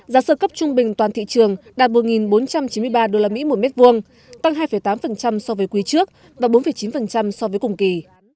giá sơ cấp trung bình toàn thị trường đạt một bốn trăm chín mươi ba usd một mét vuông tăng hai tám so với quý trước và bốn chín so với cùng kỳ